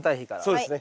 そうですね。